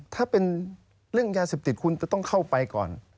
ถ้าเป็นเรื่องยาเสพติดคุณจะต้องเข้าไปก่อน